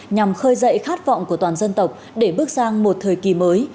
nhằm khơi dậy khát vọng của toàn dân tộc để bước sang một thời kỳ mới